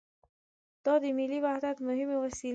دا د ملي وحدت مهمې وسیلې هم دي.